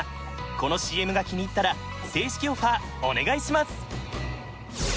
このＣＭが気に入ったら正式オファーお願いします